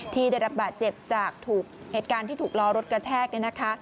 ที่ได้รับบาดเจ็บจากเหตุการณ์ที่ถูกล้อรถกระแทก